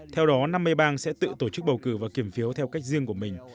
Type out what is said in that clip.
theo đó năm mươi bang sẽ tự tổ chức bầu cử và kiểm phiếu theo cách riêng của mình